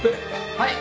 はい。